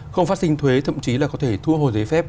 không phát sinh thuế thậm chí là có thể thu hồi giấy phép